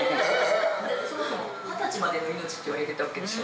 そもそも二十歳までの命って言われていたわけでしょ？